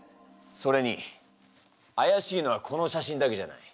それにあやしいのはこの写真だけじゃない。